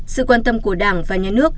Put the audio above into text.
sự quan tâm của đảng và nhà nước